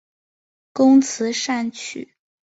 工词善曲。